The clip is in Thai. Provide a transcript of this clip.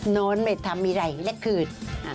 นอนไม่ทำอะไรและขืด